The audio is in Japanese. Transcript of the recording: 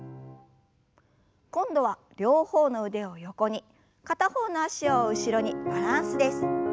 今度は両方の腕を横に片方の脚を後ろにバランスです。